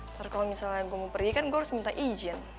ntar kalau misalnya gue mau pergi kan gue harus minta izin